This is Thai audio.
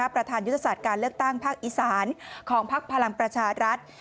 ประธานยุทธศาสตร์การเลือกตั้งภาคอีสานของพักพลังประชารัฐ